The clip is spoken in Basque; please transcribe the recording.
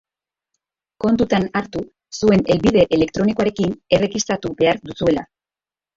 Kontutan hartu zuen helbide elektronikoarekin erregistratu behar duzuela.